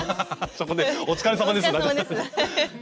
そこね「お疲れさまです」。